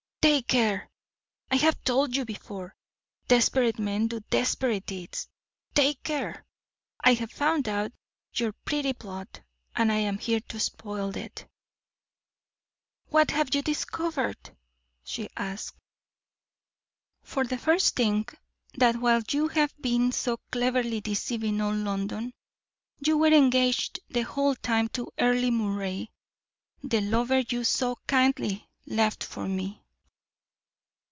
"Take care! I have told you before, desperate men do desperate deeds. Take care! I have found out your pretty plot, and am here to spoil it." "What have you discovered?" she asked. "For the first thing, that while you have been so cleverly deceiving all London, you were engaged the whole time to Earle Moray, the lover you so kindly left for me."